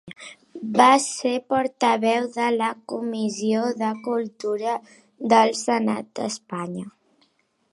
Va ser portaveu de la Comissió de Cultura del Senat d'Espanya.